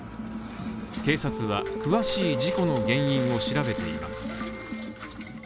警察は詳しい事故の原因を調べています。